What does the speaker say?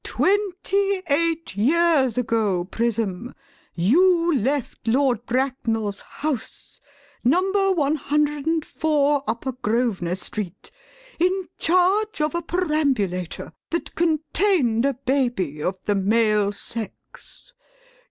] Twenty eight years ago, Prism, you left Lord Bracknell's house, Number 104, Upper Grosvenor Street, in charge of a perambulator that contained a baby of the male sex.